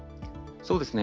そうですね。